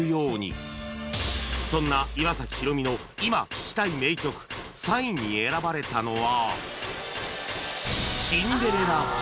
そんな岩崎宏美の今聴きたい名曲３位に選ばれたのは